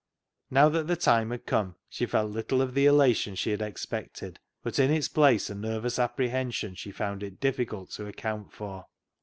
Now that the time had come she felt little of the elation she had expected, but in its place a nervous apprehension she found it difficult to account for.